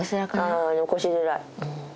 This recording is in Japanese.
あぁ残しづらい。